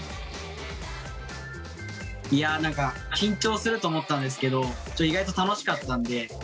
いや何か緊張すると思ったんですけど意外と楽しかったんで。